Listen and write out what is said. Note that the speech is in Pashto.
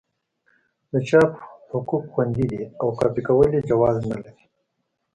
د چاپ حقوق خوندي دي او کاپي کول یې جواز نه لري.